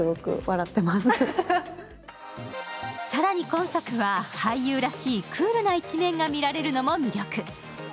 更に今作は俳優らしいクールな一面が見られるのも魅力。